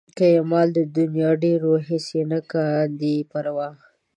که یې مال د نيا ډېر وي هېڅ دې نه کاندي پروا